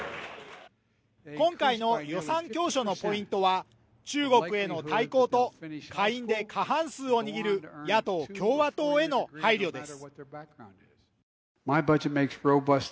今回の予算教書のポイントは、中国への対抗と下院で過半数を握る野党・共和党への配慮です